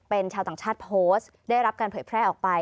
เป็นชาวต่างชาติโพสต์ได้รับการเผยแพร่ออกไป